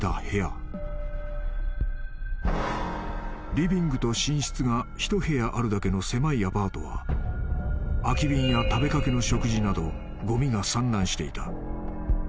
［リビングと寝室が１部屋あるだけの狭いアパートは空き瓶や食べかけの食事などごみが散乱していた］